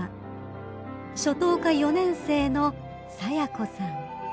［初等科４年生の清子さん］